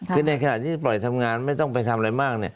คือในขณะที่ปล่อยทำงานไม่ต้องไปทำอะไรมาก